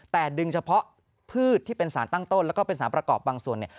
แต่ดึงเฉพาะพืชที่เป็นสารตั้งต้นแล้วก็เป็นสารประกอบบางส่วนเนี่ย